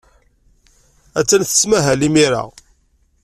Attan tettmahal imir-a.